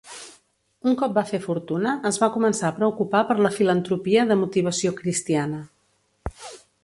Un cop va fer fortuna, es va començar a preocupar per la filantropia de motivació cristiana.